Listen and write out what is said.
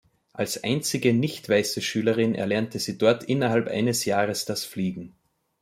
Als einzige nicht-weiße Schülerin erlernte sie dort innerhalb eines Jahres das Fliegen.